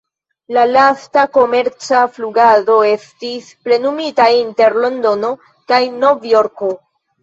La lasta komerca flugado estis plenumita inter Londono kaj Nov-Jorko.